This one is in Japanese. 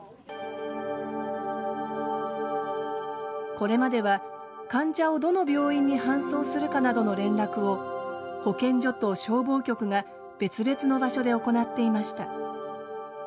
これまでは患者をどの病院に搬送するかなどの連絡を保健所と消防局が別々の場所で行っていました。